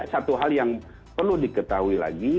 satu hal yang perlu diketahui lagi